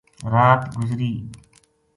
رات گُزری